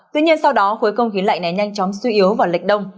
tuy nhiên sau đó khối không khí lạnh này nhanh chóng suy yếu vào lịch đông